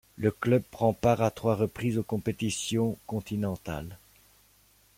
Le club prend part à trois reprises aux compétitions continentales.